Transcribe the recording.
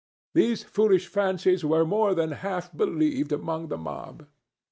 These foolish fancies were more than half believed among the mob.